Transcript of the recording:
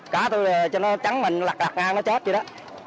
cá tôi cho nó trắng mình lạc lạc ngang nó chết vậy đó